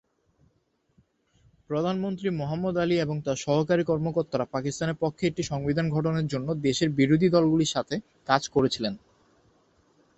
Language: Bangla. প্রধানমন্ত্রী মুহাম্মদ আলী এবং তাঁর সরকারী কর্মকর্তারা পাকিস্তানের পক্ষে একটি সংবিধান গঠনের জন্য দেশের বিরোধী দলগুলির সাথে কাজ করেছিলেন।